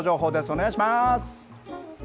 お願いします。